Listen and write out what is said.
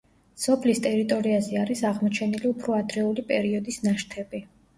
სოფლის ტერიტორიაზე არის აღმოჩენილი უფრო ადრეული პერიოდის ნაშთები.